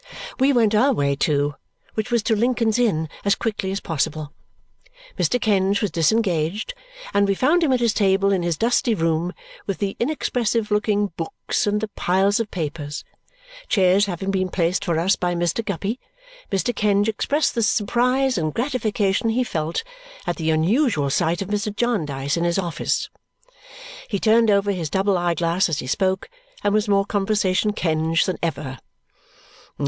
We went our way too, which was to Lincoln's Inn, as quickly as possible. Mr. Kenge was disengaged, and we found him at his table in his dusty room with the inexpressive looking books and the piles of papers. Chairs having been placed for us by Mr. Guppy, Mr. Kenge expressed the surprise and gratification he felt at the unusual sight of Mr. Jarndyce in his office. He turned over his double eye glass as he spoke and was more Conversation Kenge than ever.